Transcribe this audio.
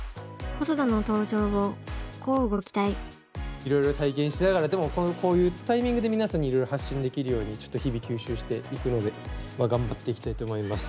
いろいろ体験しながらでもこういうタイミングで皆さんにいろいろ発信できるようにちょっと日々吸収していくので頑張っていきたいと思います。